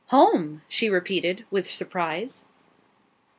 "Home!" she repeated, with surprise.